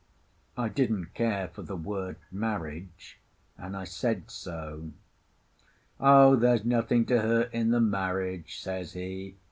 I didn't care for the word marriage, and I said so. "Oh, there's nothing to hurt in the marriage," says he.